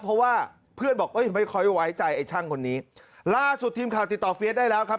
เพราะว่าเพื่อนบอกเอ้ยไม่ค่อยไว้ใจไอ้ช่างคนนี้ล่าสุดทีมข่าวติดต่อเฟียสได้แล้วครับ